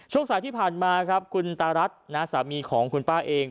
ช่วงสายที่ผ่านมาครับคุณตารัฐสามีของคุณป้าเอง